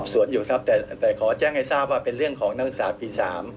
สวนอยู่ครับแต่ขอแจ้งให้ทราบว่าเป็นเรื่องของนักศึกษาปี๓